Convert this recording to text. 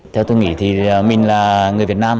theo tôi nghĩ thì mình là người việt nam